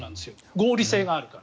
合理性があるから。